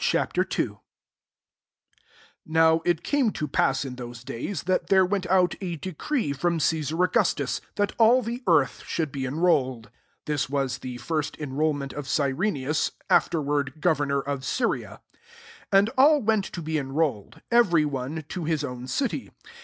II. \ M)W it came to pt^os in those days, that there went out d decree from Cesar AugUS' itus^ that all the eatth* should be eni*olied. % {This was the first en rolnient qf Cyreniusj afterward governor qf Syria.) 3 And all went to be enroHed^ every one to his own city.